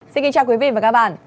xin kính chào quý vị và các bạn